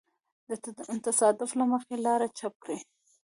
د تصادف له مخې لاره چپ کړي.